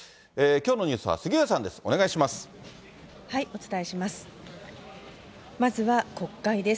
きょうのニュースは杉上さんです。